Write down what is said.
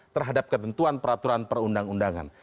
terhadap ketentuan peraturan perundang undangan